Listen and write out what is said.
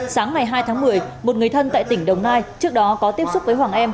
sáng ngày hai tháng một mươi một người thân tại tỉnh đồng nai trước đó có tiếp xúc với hoàng em